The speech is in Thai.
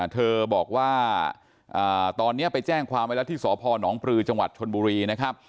เธอบอกว่าตอนนี้ไปแจ้งความไว้แล้วที่สพนปลือจังหวัดชนบุรีนะครับ